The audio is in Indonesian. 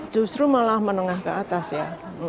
justru malah menengah ke atas ya